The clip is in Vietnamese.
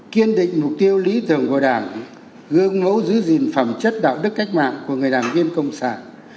kiên định mục tiêu lý tưởng của đảng gương mẫu giữ gìn phẩm chất đạo đức cách mạng của người đảng viên công sản